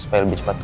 supaya lebih cepat